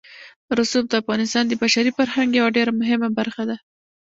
رسوب د افغانستان د بشري فرهنګ یوه ډېره مهمه برخه ده.